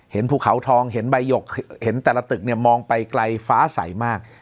ภูเขาทองเห็นใบหยกเห็นแต่ละตึกเนี่ยมองไปไกลฟ้าใสมาก